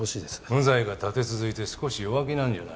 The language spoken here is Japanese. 無罪が立て続いて少し弱気なんじゃ？